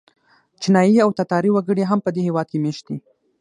چینایي او تاتاري وګړي هم په دې هېواد کې مېشت دي.